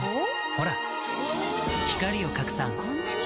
ほら光を拡散こんなに！